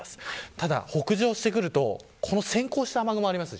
ただ、北上してくるとこの先行した雨雲があります。